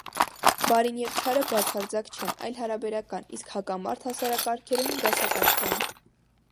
Բարին և չարը բացարձակ չեն, այլ հարաբերական, իսկ հակամարտ հասարակարգերում՝ դասակարգային։